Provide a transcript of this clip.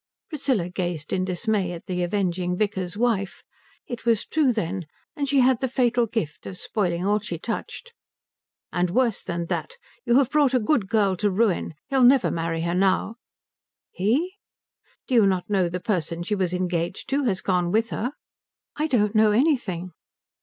Priscilla gazed in dismay at the avenging vicar's wife. It was true then, and she had the fatal gift of spoiling all she touched. "And worse than that you have brought a good girl to ruin. He'll never marry her now." "He?" "Do you not know the person she was engaged to has gone with her?" "I don't know anything."